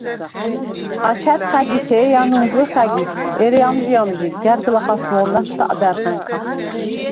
აჩადხ ა̈გითე ი ანა̄მბვეხ ა̈გის, ერე ამჟი-ამჟი, გა̈რგლა ხასმო̄ლნახ საყდა̈რხა̈ნქა.